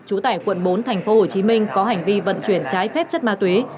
chủ tải quận bốn tp hcm có hành vi vận chuyển trái phép chất ma túy